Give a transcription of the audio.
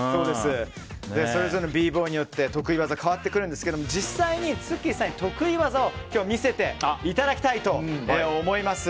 それぞれのＢ‐Ｂｏｙによって得意技が変わってくるんですが、実際にＴｓｕｋｋｉさんに得意技を今日は見せていただきたいと思います。